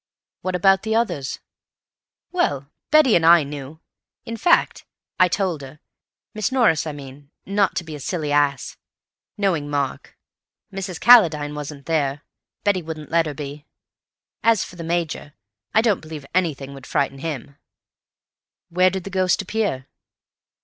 "What about the others?" "Well, Betty and I knew; in fact, I'd told her—Miss Norris I mean—not to be a silly ass. Knowing Mark. Mrs. Calladine wasn't there—Betty wouldn't let her be. As for the Major, I don't believe anything would frighten him." "Where did the ghost appear?"